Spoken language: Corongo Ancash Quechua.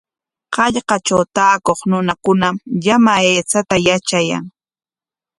Hallqakunatraw taakuq runakunam llama aychata yatrayan.